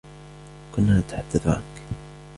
كنا نتحدث عنك.